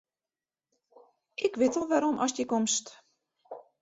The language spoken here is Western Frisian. Ik wit al wêrom ast hjir komst.